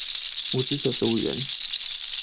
五支九十五元